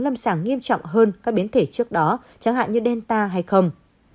lâm sàng nghiêm trọng hơn các biến thể trước đó chẳng hạn như delta hay không